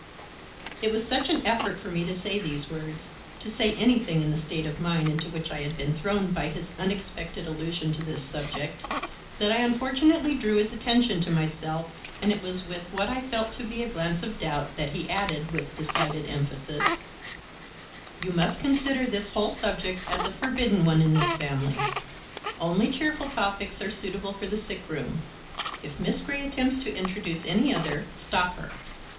It was such an effort for me to say these words, to say anything in the state of mind into which I had been thrown by his unexpected allusion to this subject, that I unfortunately drew his attention to myself and it was with what I felt to be a glance of doubt that he added with decided emphasis: "You must consider this whole subject as a forbidden one in this family. Only cheerful topics are suitable for the sick room. If Miss Grey attempts to introduce any other, stop her.